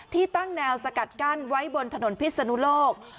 ที่ตั้งแนวสกัดกั้นไว้บนถนนพิศนุโลก